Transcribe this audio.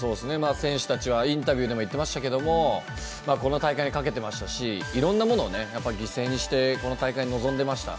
選手たちはインタビューでも言ってましたけどもこの大会にかけてましたしいろんなものを犠牲にしてこの大会に臨んでいました。